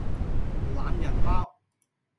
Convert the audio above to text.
懶人包